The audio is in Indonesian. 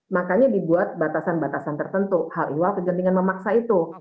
makanya dibuat batasan batasan tertentu hal hal kegentingan memaksa itu